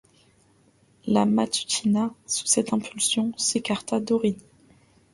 La Matutina, sous cette impulsion, s’écarta d’Aurigny.